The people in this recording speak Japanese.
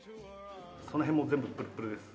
その辺も全部プルップルです。